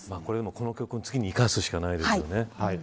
この教訓を次に生かすしかないですよね。